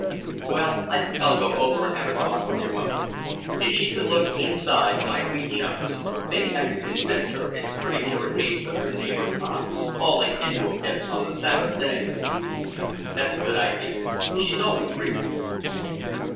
"Well, I think I'll go over and have a talk with your mother. If she could look inside my wheat shocks, maybe I could convince her it's pretty near a case of your neighbour's ox falling into a pit on the Sabbath day." "That's a good idea. She's always reasonable."